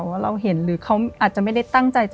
ว่าเราเห็นหรือเขาอาจจะไม่ได้ตั้งใจจะ